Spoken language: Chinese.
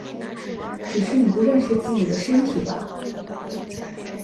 只是你不认识自己的身体吧！